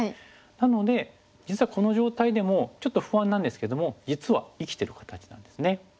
なので実はこの状態でもちょっと不安なんですけども実は生きてる形なんですね。